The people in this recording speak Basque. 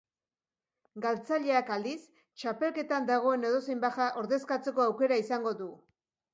Galtzaileak, aldiz, txapelketan dagoen edozein baja ordezkatzeko aukera izango du.